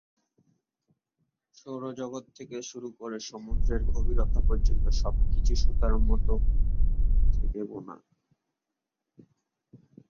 সৌরজগৎ থেকে শুরু করে সমুদ্রের গভীরতা পর্যন্ত, সবকিছুই সুতোর মতো করে বোনা!